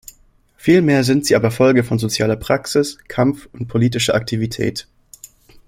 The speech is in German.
Vielmehr sind sie aber Folge von sozialer Praxis, Kampf und politischer Aktivität.